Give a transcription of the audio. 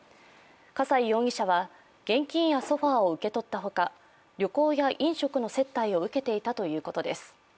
笠井容疑者は現金やソファーを受け取った他、旅行や飲食の接待を受けていたということです。